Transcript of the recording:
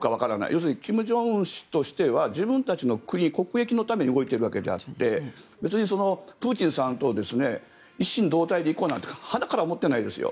要するに金正恩氏としては自分たちの国、国益のために動いているわけであって別にプーチンさんと一心同体で行こうなんてはなから思っていないですよ。